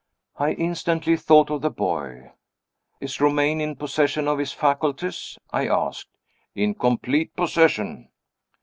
I instantly thought of the boy. "Is Romayne in possession of his faculties?" I asked. "In complete possession."